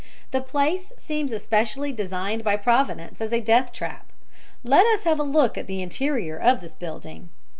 The place seems especially designed by Providence as a death trap. Let us have a look at the interior of this building."